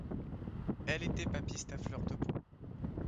Elle était papiste à fleur de peau.